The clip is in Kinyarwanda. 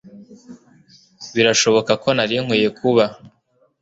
birashoboka ko nari nkwiye kuba